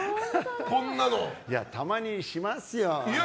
いや、たまにしますよ。